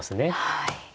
はい。